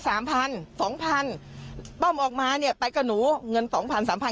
สามพันสองพันป้อมออกมาเนี้ยไปกับหนูเงินสองพันสามพัน